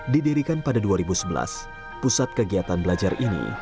didirikan pada dua ribu sebelas pusat kegiatan belajar ini